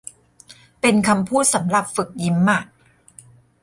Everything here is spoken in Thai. เป็นคำพูดสำหรับฝึกยิ้มอ่ะ